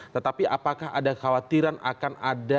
tetapi apakah ada khawatiran akan ada